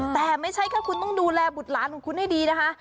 แต่ไม่ใช่แค่คุณต้องดูแลบุตรหลานของคุณให้ดีนะคะ